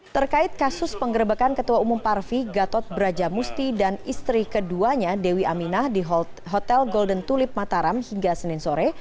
terkait kasus penggerbekan ketua umum parvi gatot brajamusti dan istri keduanya dewi aminah di hotel golden tulip mataram hingga senin sore